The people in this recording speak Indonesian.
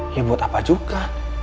ya buat apa juga